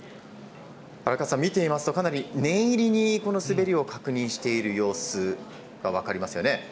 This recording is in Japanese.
荒川さん、見ていますと、かなり念入りに、この滑りを確認している様子が分かりますよね。